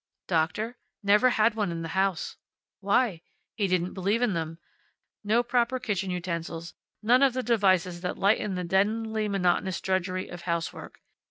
Doctor? Never had one in the house. Why? He didn't believe in them. No proper kitchen utensils, none of the devices that lighten the deadeningly monotonous drudgery of housework.